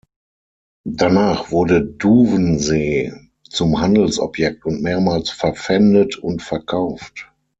Danach wurde Duvensee zum Handelsobjekt und mehrmals verpfändet und verkauft.